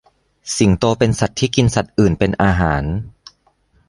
สิงโตเป็นสัตว์ที่กินสัตว์อื่นเป็นอาหาร